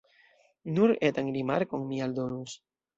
Nur etan rimarkon mi aldonus.